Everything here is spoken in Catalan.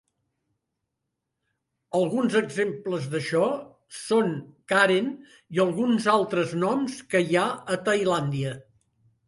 Alguns exemples d'això són Karen i alguns altres noms que hi ha a Tailàndia.